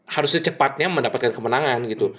harusnya cepatnya mendapatkan kemenangan gitu